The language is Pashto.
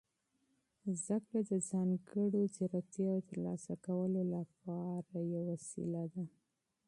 زده کړه د ځانګړو مهارتونو د ترلاسه کولو لپاره تسهیل ده.